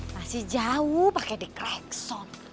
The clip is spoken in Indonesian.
masih jauh pake dekrekson